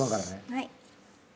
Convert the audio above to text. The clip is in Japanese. はい。